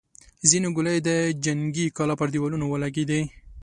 ځينې ګولۍ د جنګي کلا پر دېوالونو ولګېدې.